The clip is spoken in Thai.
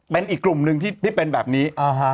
เป็นอีกกลุ่มหนึ่งที่เป็นแบบนี้